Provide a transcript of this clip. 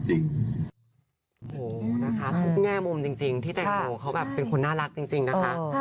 โอ้โหนะคะทุกแง่มุมจริงที่แตงโมเขาแบบเป็นคนน่ารักจริงนะคะ